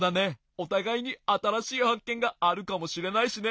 おたがいにあたらしいはっけんがあるかもしれないしね。